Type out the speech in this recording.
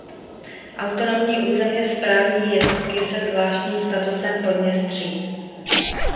Autonomní územně správní jednotky se zvláštním statusem Podněstří.